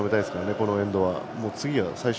このエンドは。